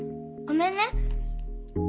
ごめんね。